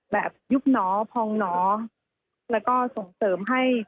แบบยุคน้อพองน้อและก็ส่งเสริมให้